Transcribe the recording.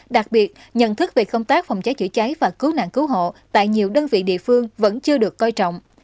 đặc biệt nhận thức về công tác phòng cháy chữa cháy và cứu nạn cứu hộ tại nhiều đơn vị địa phương vẫn chưa được coi trọng